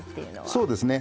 そうですね。